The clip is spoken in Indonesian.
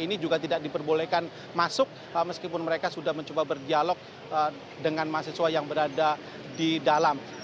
ini juga tidak diperbolehkan masuk meskipun mereka sudah mencoba berdialog dengan mahasiswa yang berada di dalam